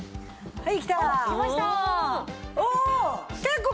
はい。